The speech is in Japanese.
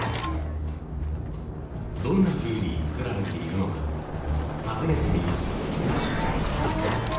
どんなふうに作られているのか訪ねてみました。